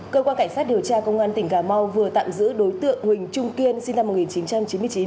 cơ quan cảnh sát điều tra công an tỉnh cà mau vừa tạm giữ đối tượng huỳnh trung kiên sinh năm một nghìn chín trăm chín mươi chín